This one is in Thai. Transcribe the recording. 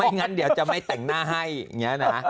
งั้นเดี๋ยวจะไม่แต่งหน้าให้อย่างนี้นะ